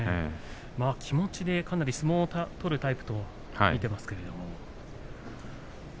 気持ちで、かなり相撲を取るタイプと見ていますけど。